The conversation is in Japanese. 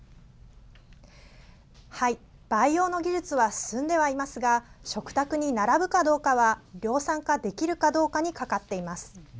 培養の技術は進んではいますが食卓に並ぶかどうかは量産化できるかどうかにかかっています。